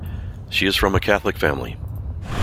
She is from a Catholic family.